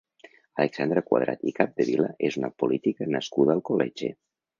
Alexandra Cuadrat i Capdevila és una política nascuda a Alcoletge.